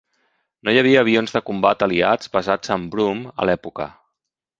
No hi havia avions de combat aliats basats en Broome a l'època.